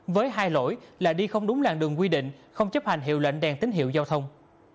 với hai lỗi là đi không đúng làng đường quy định không chấp hành hiệu lệnh đèn tín hiệu giao thông